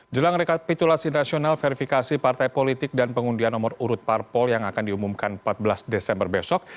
jelang rekapitulasi nasional verifikasi partai politik dan pengundian nomor urut parpol yang akan diumumkan empat belas desember besok